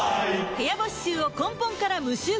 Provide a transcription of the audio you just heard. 部屋干し臭を根本から無臭化